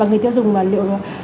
và người tiêu dùng liệu